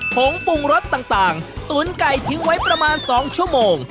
ผงปรุงรสต่างตุ๋นไก่ทิ้งไว้ประมาณ๒ชั่วโมง